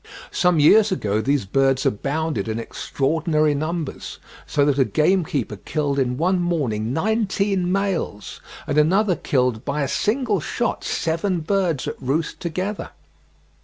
Some years ago these birds abounded in extraordinary numbers, so that a gamekeeper killed in one morning nineteen males, and another killed by a single shot seven birds at roost together.